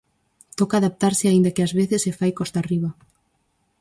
Toca adaptarse aínda que ás veces se fai costa arriba.